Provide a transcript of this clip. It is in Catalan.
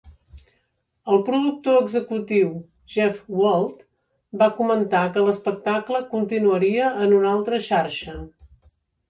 El productor executiu Jeff Wald va comentar que l'espectacle continuaria en una altra xarxa.